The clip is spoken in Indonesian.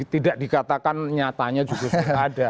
tidak dikatakan nyatanya juga sudah ada